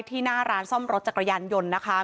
หน้าร้านซ่อมรถจักรยานยนต์นะคะ